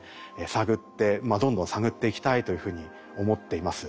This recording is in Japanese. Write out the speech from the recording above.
探ってどんどん探っていきたいというふうに思っています。